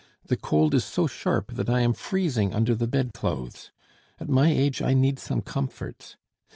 The cold is so sharp that I am freezing under the bedclothes. At my age I need some comforts.